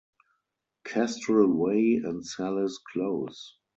Kestrel Way and Sallis Close.